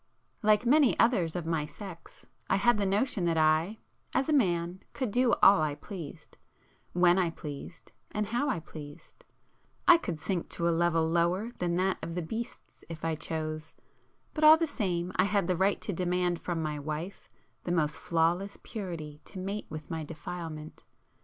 Like many others of my sex I had the notion that I, as man, could do all I pleased, when I pleased and how I pleased; I could sink to a level lower than that of the beasts if I chose,—but all the same I had the right to demand from my wife the most flawless purity to mate with my defilement.